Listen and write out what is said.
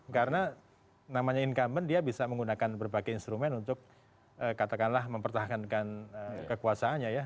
karena namanya incumbent dia bisa menggunakan berbagai instrumen untuk katakanlah mempertahankan kekuasaannya ya